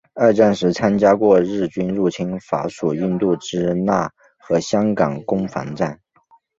二战时参加过日军入侵法属印度支那和香港攻防战。